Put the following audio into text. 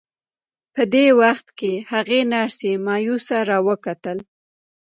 په دې وخت کې هغې نرسې مایوسه را وکتل